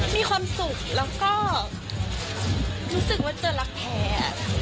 มีความสุขรู้สึกจะรักแท้